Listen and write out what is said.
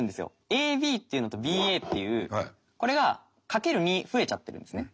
ＡＢっていうのとＢＡっていうこれが×２増えちゃってるんですね。